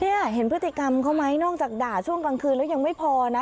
นี่เห็นพฤติกรรมเขาไหมนอกจากด่าช่วงกลางคืนแล้วยังไม่พอนะ